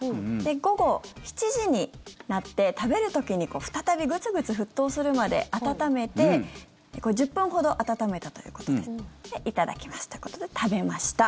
午後７時になって食べる時に再びグツグツ沸騰するまで温めて１０分ほど温めたということでいただきますということで食べました。